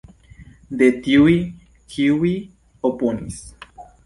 De tiuj, kiuj oponis.